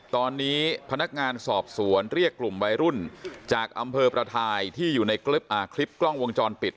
ตอนนี้พนักงานสอบสวนเรียกกลุ่มวัยรุ่นจากอำเภอประทายที่อยู่ในคลิปกล้องวงจรปิด